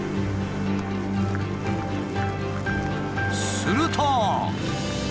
すると。